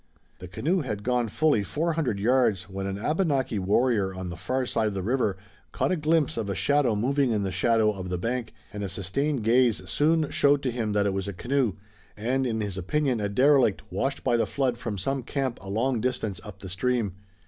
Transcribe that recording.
The canoe had gone fully four hundred yards when an Abenaki warrior on the far side of the river caught a glimpse of a shadow moving in the shadow of the bank, and a sustained gaze soon showed to him that it was a canoe, and, in his opinion, a derelict, washed by the flood from some camp a long distance up the stream.